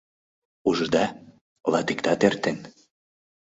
— Ужыда, латиктат эртен.